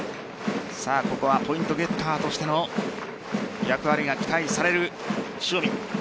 ここはポイントゲッターとしての役割が期待される塩見。